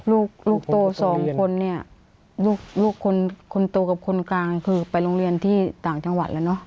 ลูกลูกโตสองคนเนี่ยลูกคนโตกับคนกลางคือไปโรงเรียนที่ต่างจังหวัดแล้วเนอะ